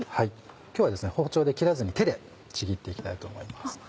今日は包丁で切らずに手でちぎって行きたいと思います。